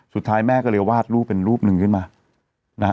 สุดท้ายแม่ก็เลยวาดรูปเป็นรูปหนึ่งขึ้นมานะฮะ